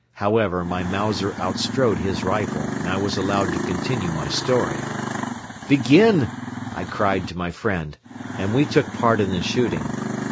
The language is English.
However, my Mauser outstrode his rifle and I was allowed to continue my story. "Begin!" I cried to my friend and we took part in the shooting.